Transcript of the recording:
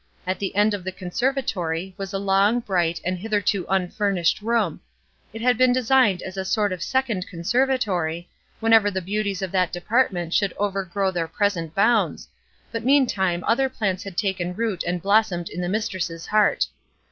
At the end of the conservatory was a long, bright, and hitherto unfurnished room; it had been designed as a sort of second conservatory, whenever the beauties of that department should outgrow their present bounds, but meantime other plants had taken root and blossomed in the mistress' heart.